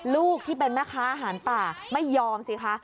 ลูกที่เป็นแม่ค้าอาหารป่าไม่ยอมสิคะ